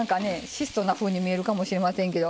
質素なふうに見えるかもしれませんけど。